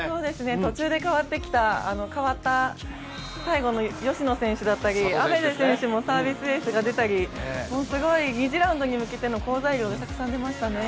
途中で替わった最後の淑乃選手だったり愛芽世選手もサービスエースが出たり２次ラウンドに向けての好材料がたくさん出ましたね。